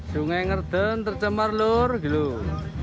sungai ngerden tercemar lor gitu